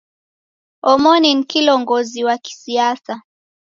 Omoni ni kilongozi wa kisiasa.